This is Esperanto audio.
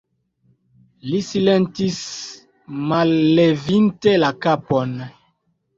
Li silentis, mallevinte la kapon.